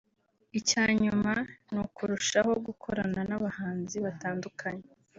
Icya nyuma ni ukurushaho gukorana n’abahanzi batandukanye